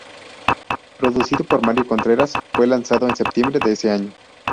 Producido por Mario Contreras, fue lanzado en septiembre de ese año.